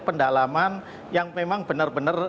pendalaman yang memang benar benar